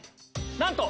なんと！